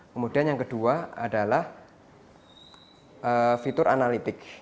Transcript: kemudian yang kedua adalah fitur analitik